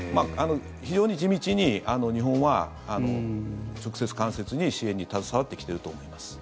非常に地道に日本は直接、間接に支援に携わってきていると思います。